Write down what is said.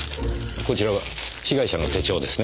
こちらは被害者の手帳ですね？